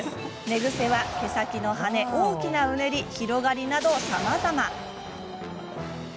寝ぐせは毛先のはね大きな、うねり広がりなど、さまざま。